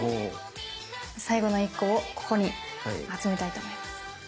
最後の１個をここに集めたいと思います。